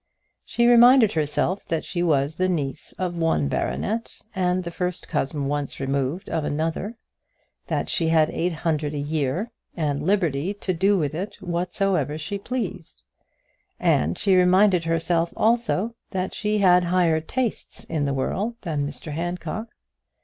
She reminded herself that she was the niece of one baronet, and the first cousin once removed of another, that she had eight hundred a year, and liberty to do with it whatsoever she pleased; and she reminded herself, also, that she had higher tastes in the world than Mr Handcock.